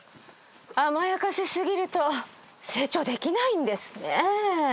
甘やかせ過ぎると成長できないんですねぇ。